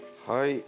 はい。